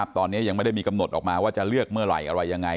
ตอนนี้ยังไม่ได้มีกำหนดออกมาว่าจะเลือกเมื่อไหร่อะไรยังไง